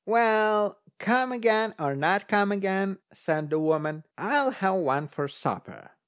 "Well, come again, or not come again," said the woman, "I'll have one for supper."